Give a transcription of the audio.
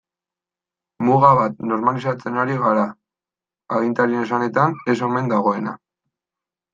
Muga bat normalizatzen ari gara, agintarien esanetan ez omen dagoena.